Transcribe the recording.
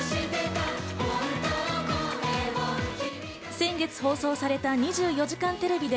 先月放送された『２４時間テレビ』で